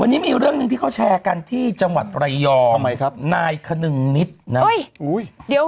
วันนี้มีเรื่องหนึ่งที่เขาแชร์กันที่จังหวัดระยองทำไมครับนายคนึงนิดนะ